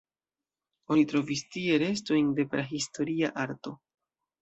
Oni trovis tie restojn de prahistoria arto.